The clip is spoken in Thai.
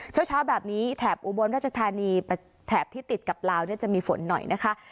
เช้าแบบนี้แถบอุบลราชธานีแถบที่ติดกับลาวเนี่ยจะมีฝนหน่อยนะคะ